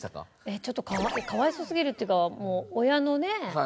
ちょっと可哀想すぎるっていうかもう親のね